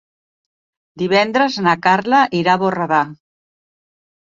Divendres na Carla irà a Borredà.